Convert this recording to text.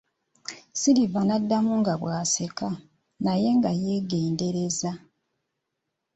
Silver n'addamu nga bw'aseka, naye nga yeegendereza.